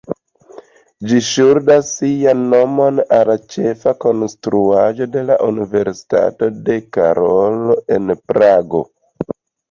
Ĝi ŝuldas sian nomon al ĉefa konstruaĵo de la Universitato de Karolo en Prago.